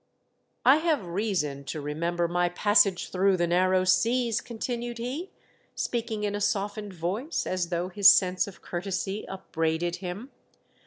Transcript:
" I have reason to remember my passage through the narrow seas," continued he, speaking in a softened voice, as though his sense of courtesy upbraided him.